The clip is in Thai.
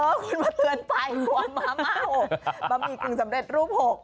เออคุณมาเตือนไปหัวมาเหมาะบะหมี่กึ่งสำเร็จรูป๖